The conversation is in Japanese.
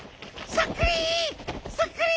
そっくり。